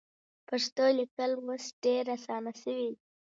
پښتو لیکل اوس ډېر اسانه سوي دي.